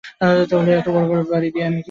এত বড় বাড়ি দিয়ে আমি করব কী?